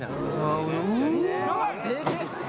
うわっ！